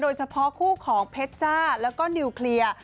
โดยเฉพาะคู่ของเพชรจ้าแล้วก็นิวเคลียร์